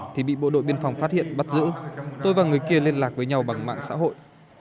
thì bị bộ đội biên phòng phát hiện bắt giữ tôi và người kia liên lạc với nhau bằng mạng xã hội